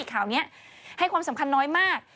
ข่าวนี้ให้ความสำคัญน้อยมาก